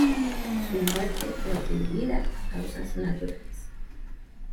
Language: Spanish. Su muerte fue atribuida a causas naturales.